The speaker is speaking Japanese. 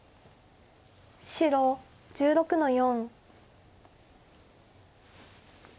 白１６の四。